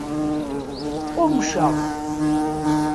Qqummceɣ.